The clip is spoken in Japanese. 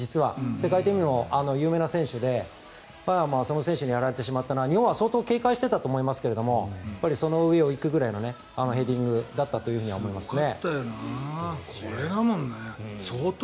世界的にも有名な選手でその選手にやられてしまったので日本は相当警戒していたと思いますがその上を行くぐらいのヘディングだったと思いますね。